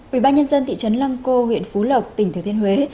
quỹ ban nhân dân thị trấn lăng cô huyện phú lộc tỉnh thừa thiên huế